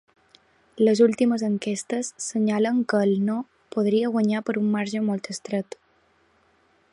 Les últimes enquestes senyalen que el ‘no’ podria guanyar per un marge molt estret.